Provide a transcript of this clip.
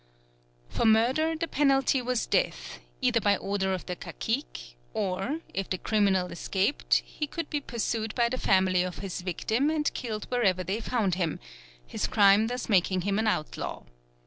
For murder the penalty was death, either by order of the cacique; or, if the criminal escaped, he could be pursued by the family of his victim and killed wherever they found him, his crime thus making him an outlaw.